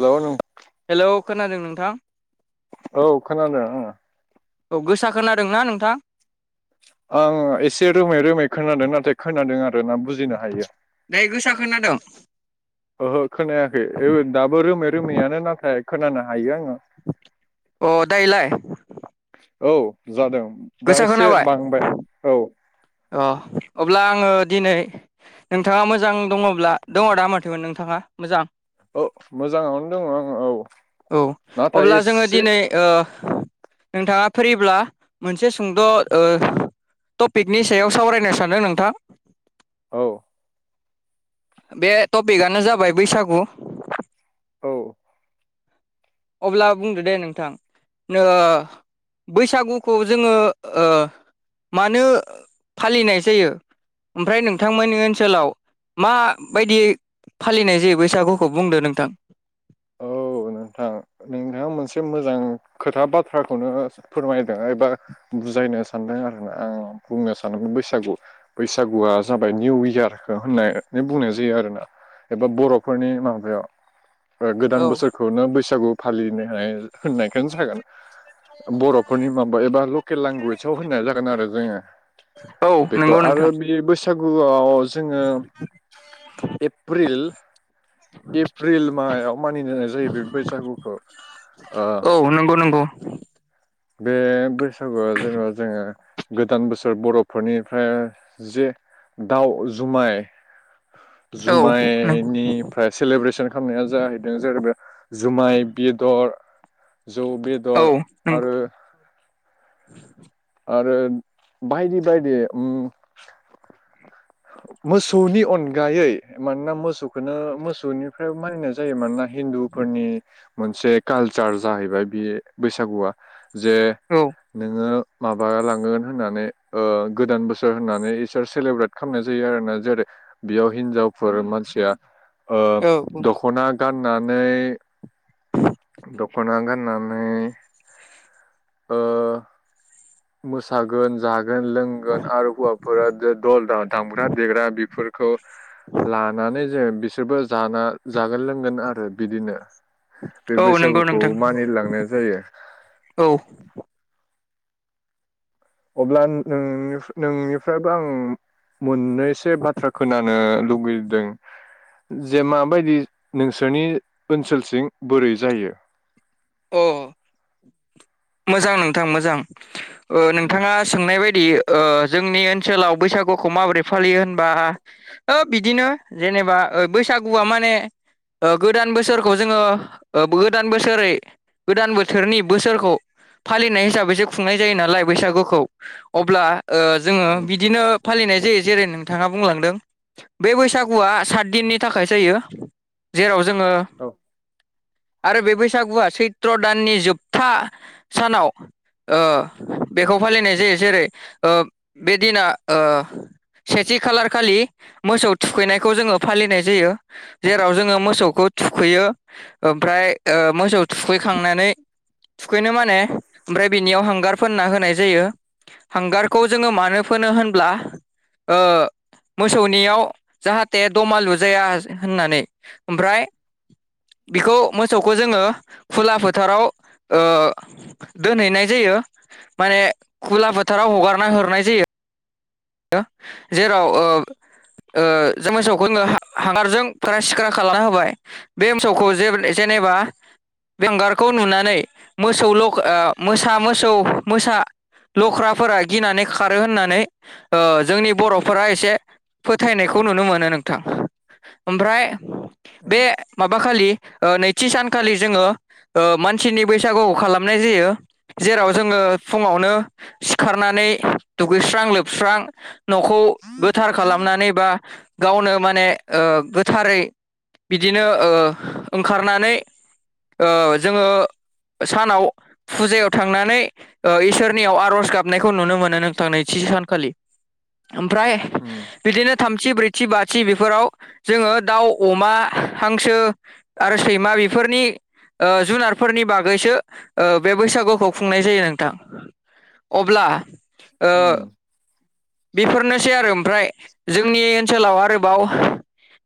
हेल' नों हेल' खोनादों नोंथां औ खोनादों ओ। औ गोसा खोनादोंना नोंथां। आं एसे रोमै-रोमै खोनादों नाथाय खोनादों आर। दायो गोसा खोनादोंं। ओहो खोनायाखै ओ दाबो रोमै-रोमैयानो नाथाय खोनानो हायो आङो। अ दायोलाय। औ जादों। दा गोसा एसे खोनाबाय बांबाय औ। अ अब्ला आङो दिनै नोंथाङा मोजां दङब्ला दङ दा माथोमोन नोंथाङा मोजां। ओ मोजाङावनो दङ' औ औ। औ अब्ला नाथाय जोङो एससे दिनै ओ नोंथाङा फ्रिब्ला मोनसे सुंद' ओ टपिक नि सायाव सावरायनो सानो नोंथां। औ बे टपिकआनो जाबाय बैसागु। औ अब्ला बुंदो दे नोंथां ओ बैसागुखौ जोङो ओ मानो फालिनाय जायो ओमफ्राय नोंथांमोननि ओनसोलाव माबायदियै फालिनाय जायो बैसागुखौ बुंदो नोंथां। औ नोंथां नोंथाङा मोनसे मोजां खोथा बाथ्राखौनो फोरमायदों एबा बुजायनो सानदों आरोना आं बुंनो सानो बैसागु । बैसागुआ जाबाय निउ इयारखौ होननानै बुंनाय जायो आरोना एबा बर'फोरनि माबायाव ओ गोदान औ बोसोरखौनो बैसागु फालिनो हाय होननायखोनो जागोन। बर'फोरनि माबा एबा लकेल लेंगुवेजाव होननाय जागोन आरो जोङो औ बेखौ नंगौ आरो नोंथां बे बैसागुआव जोङो एप्रिल एप्रिल माबायाव मानिनाय जायो बे बैसागुखौ ओ औ नंगौ नंगौ बे बै सागुआ जोङो जोङो गोदान बोसोर बर'फोरनिफ्राय जे दाउ जुमाय औ नों जुमाइनिफ्राय सेलेब्रेसन खामनाया जाहैदों [unintelligible] जुमाय बेदर जौ औ बेदर नों आरो [inaudible] आरो बायदि बायदि उम मोसौनि अनगायै मानोना मोसौखौनो मोसौनिफ्राय मानिनाय जायो । मानोना हिन्दुफोरनि मोनसे कालचार जाहैबाय बे बैसागुआ। जे औ नोङो माबा लांगोन होननानै ओ गोदान बोसोर होननानै इसोर सिलेब्रेट खामनाय जायो आरोना जेरै बेयाव हिनजावफोर मानसिया ओ दख'ना गान नानै द'खना गाननानै ओ मोसागोन जा गोन लोंगोन आरो हौवाफोरा दल दामग्रा देग्रा बेफोरखौ लानानै जे बिसोरबो जाना जागोन लोंगोन आरो बिदिनो बे औ नंगौ बैसागुखौ नोंथां मानिलांनाय जायो। औ अब्ला नोंनि - नोंनिफ्रायबो आं मोन से बाथरा खोनानो लु लुगैदों जे माबायदि नोंसोरनि ओनसोलसिं बोरै जायो? अ मोजां नोंथां मोजां ओ उम नोंथाङा सोंनाय बायदि ओ जोंनि ओनसोलाव बैसागुखौ माबोरै फालियो होनबा ओ बिदिनो जेनेबा ओ बैसागुआ माने गोदान बोसोरखौ जोङो ओ गोदान बोसोरै गोदान बोथोरनि बोसोरखौ फालिनाय हिसाबै जे खुंनाय जायो नालाय बैसागुखौ अब्ला ओ जोङो उम बिदिनो फालिनाय दि जेरै नोंथाङा बुंलांदों बे बैसागुआ सात दिननि थाखाय जायो जेराव जोङो औ आरो बे बैसागुआ सैत्र' दाननि जोबथा सानाव ओ बेखौ फालिनाय जायो जेरै ओ बे दिना सेथि खालार खालि मोसौ थुखैनायखौ जोङो फालिनाय जायो जेराव जोङो मोसौखौ थुखैयो ओमफ्राय ओ मोसौ थुखैखांनानै थुखैनो ओमफ्राय बिनियाव हांगार फोनना होनाय जायो हांगारखौ जोङो मानो फोनो होनब्ला ओ मोसौनियाव जाहाथे दमालु जाया होननानै ओमफ्राय बेखौ मोसौखौ जोङो खुला फोथाराव ओ दोनहैनाय जायो माने खुला फोथाराव हगारना हरनाय जायो जेराव ओ मोसौखौ नोङो हांगारजों फाख्रा सिख्रा खालामना होबाय बे मोसौखौ जे जेनेबा हांगारखौ नुनानै मोसौ लख मोसा मोसौ मोसा लख्राफोरा गिनानै खारो होननानै ओ जोंनि बर'फोरा एसे फोथायनायखौ नुनो मोनो नोंथां ओमफ्राय उम बे माबा खालि ओ नैथि सानखालि जोङो ओ‌ मानसिनि बैसागु खालामनाय जायो जेराव जोङो फुङावनो सिखारनानै दुगैस्रां लोब स्रां न'खौ गोथार खालामनानै बा गावनो माने ओ गोथारै बिदिनो ओ ओंखारनानै जोङो ओ सानाव फुजायाव थांनानै इसोरनियाव आर'ज गाबनायखौ नुनो मोनो नोंथां नैथि सान खालि ओमफ्राय उम बिदिनो थामथि ब्रैथि बाथ थि बेफोराव जोङो दाउ अमा हांसो आरो सैमा बेफोरनि ओ जुनारफोरनि बागैसो बे बैसागुखौ खुंनाय जायो नोंथां अब्ला ओ उम बेफोरनोसै आरो ओमफ्राय जोंनि ओनसोलाव आरोबाव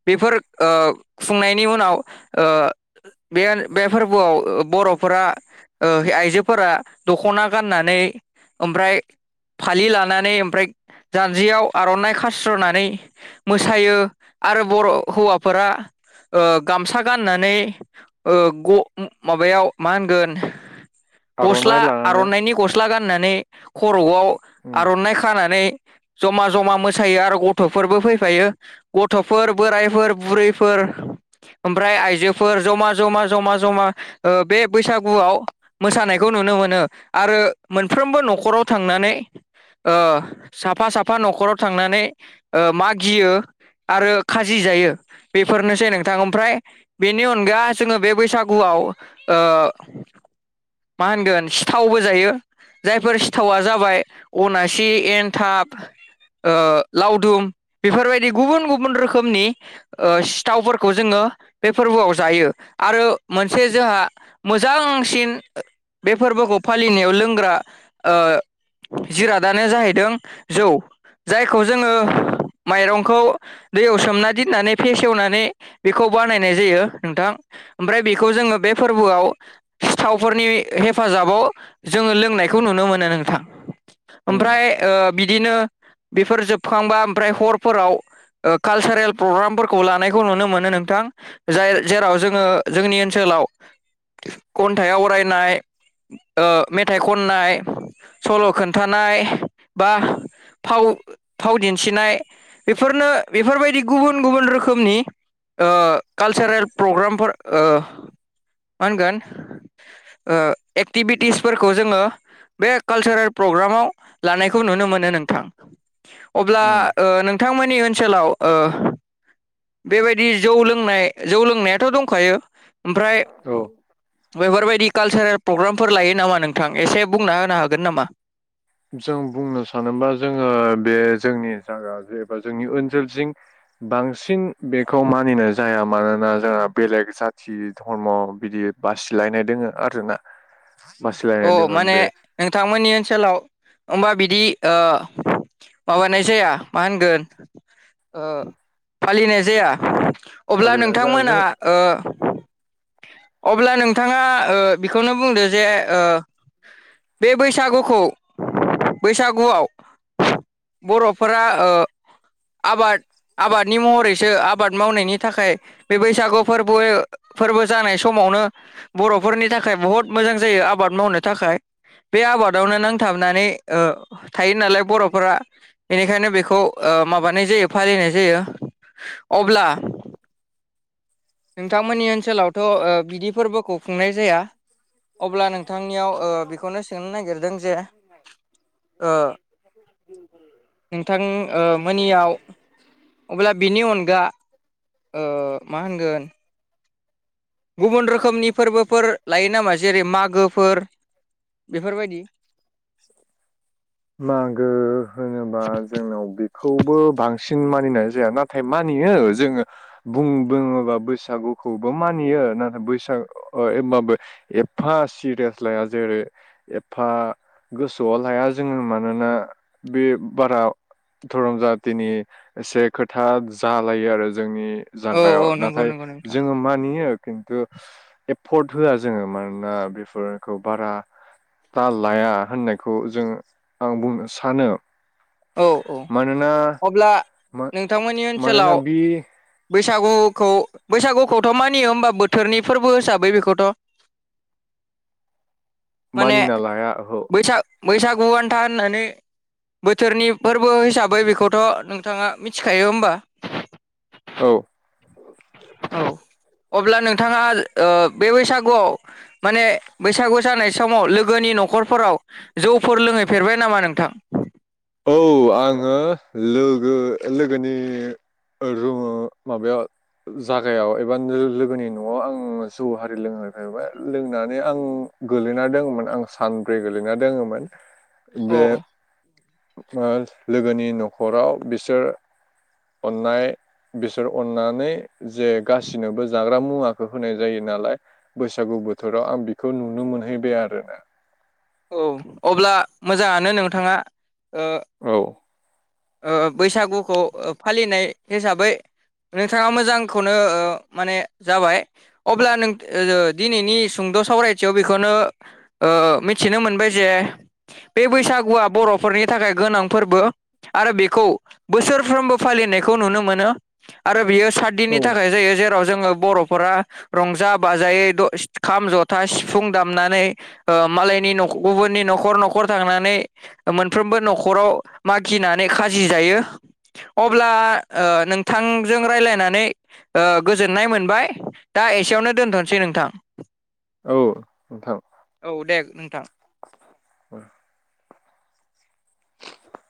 बेफोर ओ खुंनायनि उनाव ओ बे फोरबोआव बर'फोरा ओ आइजोफोरा दखना गाननानै ओमफ्राय फालि लानानै ओमफ्राय जान्जियाव आर'नाइ खास्र'नानै मोसायो आरो बर' हौवाफोरा ओ गामसा ग- गाननानै माबायाव ओ मा होनगोन गस्ला आर'नाइ लानानै आर'नाइनि गस्ला गस्ला गाननानै र'आव उम आर'नाय मानानै जमा जमा मोसायो आरो गथ'फोरबो फैफायो गथ'फोर बोराइफोर बुरैफोर ओमफ्राय आइजोफोर जमा जमा जमा जमा ओ बे बैसागुआव मोसानायखौ नुनो मोनो आरो मोनफ्रोमबो न'खराव थांनानै ओ साफा साफा न'खराव थांनानै ओ मा गियो आरो खाजि जायो बेफोरनोसै नोंथां ओमफ्राय बेनि अनगा जोङो बे बैसागुआव ओ मा होनगोन सिथावबो जायो जायफोर सिथावा जाबाय अना थि एन्थाब ओ लावदुम बेफोरबायदि गुबुन गुबुन रोखोमनि ओ सिथावफोरखौ जोङो बे फोरबोआव जायो आरो मोनसे जोंहा मोजांसिन बे फोरबोखौ फालिनायाव लोंग्रा ओ जिराद दानो जाहैदों जौ जायखौ जोङो माइरंखौ दैयाव सोमना दोननानै फेसेवनानै बेखौ बानायनाय जायो नोंथां ओमफ्राय बेखौ जोङो बे फोरबोआव सिथाव फोरनि हेफाजाबाव जोङो लोंनायखौ नुनो मोनो नोंथां। उम ओमफ्राय बिदिनो बेफोर जोबखांबा ओमफ्राय हरफोराव कालसारेल प्रग्रामफोरखौ लानायखौ नुनो मोनो नोंथां जाय जेराव जोङो जोंनि ओनसोलाव खन्थाइ आवरायनाय मेथाइ खननाय सल' खनन्थाइ फाव दिन्थिनायफोरनो बेफोरबायदि गुबुन गुबुन रोखोमनि कालसारेलपग्राम मा होनगोन एक्टिभिटिसफोरखौ जोङो बे कालसारेल [unintelligible] लानायखौ नुनो मोनो नोंथां। अब्ला उम नोंथांमोननि ओन ओनसोलाव बेबायदि जौ लोंनाय जौ लोंनायाथ' दंखायो। ओमफ्राय औ बेफोरबायदि कालसारेल प्रग्रामफोर लायो नामा नोंथां एसे बुंना होनो हागोन नामा? जों बुंनो सानोबा जोङो बे जोंनि जायागा ज एबा जोंनि ओनसोलजोंं बांसिन बेखौ मानिनाय जाया मानोना जोंहा बेलेग जाथि धर्म बिदि बासिलायनाय दोङो आरोना। अ बासिलायनाय दोङो माने बे नोंथांमोननि ओनसोलाव। होबा बिदि माबानाय जाया मा होनगोन फालिनाय जाया? अब्ला फालिनाय जा नोंथांमोना जों ओ अब्ला नोंथाङा ओ बेखौनो बुंदो जे ओ बे बैसागुखौ बैसागुआव बरफोरा ओह आबाद-आबादनि महरैसो आबाद मावनायनि थाखाय बे बैसागु फोरबो फोरबो जानाय समावनो बरफोरनि थाखाय बहुत मोजां जायो आब आबाद मावनो थाखाय बे आबादावनो नांथाबनानै ओ थायो नालाय बरफोरा बेनिखायनो बेखौ ओ माबानाय जायो फालिनाय जायो अब्ला नोंथांमोननि ओनसोलावथ बिदि फोरबोखौ खुंनाय जाया अब्ला नोंथांनियाव ओ बेखौनो सोंनो नागिरदों जे ओ नोंथां ओ मोनियाव अब्ला बिनि अनगा ओ मा होनगोन गुबुन रोखोमनिफ फोरबोफोर लायो नामा जेरै मागोफोर बेफोरबायदि। मागो खौबो बांसिन मानिनाय जाया नाथाय मानियो जोङो बुं बोङोबा बैसागुखौबो मानियो नाथाय बैसाग ओ अओ एब्बाबो एफा सिरियास लाया जेरै एफा गोसोआव लाया जोङो मानोना बे बारा धरम जाथिनि एसे खोथा जालायो आरो जोंनि औ औ जांगायाव नंगौ नाथाय नंगौ नोंथां जोङो मानियो खिन्थु एफ पर्ट होआ जोङो मानोना बेफोरखौ बारा दा लाया होननायखौ जोङो आं बुंनो सानो औ औ मानोना अब्ला नोंथांमोननि मानोना ओनसोलाव बि बैसागुखौ बैसागुखौथ मानियो होमबा बोथोरनि फोरबो हिसाबै बेखौथ माने मानिना लाया अहो। बैसाग बैसागु आन्था होननानै बोथ फोरनि फोरबो हिसाबै बेखौथ नोंथाङा मिथिखायो होमबा? औ। औ अब्ला नोंथाङा ओ बे बैसागुआव माने बैसागु जानाय समाव लोगोनि नखरफोराव जौफोर लोंहैफेरबाय नामा नोंथां? औ आङो लोगो-लोगोनि रु माबायाव जागायाव एबा लोगोनि नआव आं जौ हारि लोंहैफेरबाय लोंनानै आं गोलैना दोङोमोन आं सानब्रै गोलैना दोङोमोन। बे अ ओ लोगोनि नखराव बिसोर अननाय बिसोर अननानै जे गासिनोबो जाग्रा मुवाखौ होनाय जायो नालाय बैसागु बोथोराव आं बेखौ नुनो मोनहैबाय आरोना। औ अब्ला मोजाङानो नोंथाङा। ओ औ ओ बैसागुखौ फालिनाय हिसाबै नोंथाङा मोजांखौनो ओ माने जाबाय अब्ला नों ओ दिनैनि सुंद' सावरायथियाव बेखौनो ओ मिथिनो मोनबाय जे बे बैसागुआ बरफोरनि थाखाय गोनां फोरबो, आरो बेखौ बोसोरफ्रोमबो फालिनायखौ नुनो मोनो आरो बियो सातदिननि औ थाखाय जायो जेराव जोङो बरफ रफोरा रंजा बाजायै द सिथ खाम जथा सिफुं दामनानै ओ मालायनि नख गुबुननि नखर नखर थांनानै मोनफ्रबो नखराव मागि मागिनानै खाजि जायो अब्ला ओ नोंथांजों रायलायनानै ओ गोजोननाय मोनबाय दा एसेयावनो दोन्थसै नोंथां। औ नोंथां औ दे नोंथां